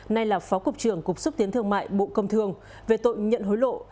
nay là phó cục trưởng cục xúc tiến thương mại bộ công thương về tội nhận hối lộ